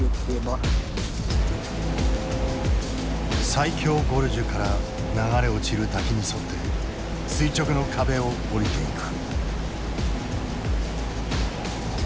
最狭ゴルジュから流れ落ちる滝に沿って垂直の壁を降りていく。